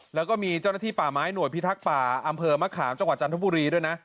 แล้วก็มีเจ้าหน้าที่ป่าไม้หน่วยพิทักษ์ป่าอำเภอมะขามจังหวัดจันทบุรีด้วยนะ